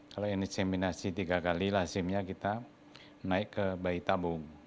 kalau inseminasi tiga kali hasilnya kita naik ke bayi tabung